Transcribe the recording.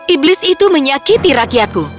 iblis itu menyakiti rakyatku